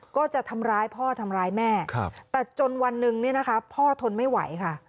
ก็จะทำร้ายพ่อทำร้ายแม่แต่จนวันหนึ่งเนี่ยนะคะพ่อทนไม่ไหวค่ะ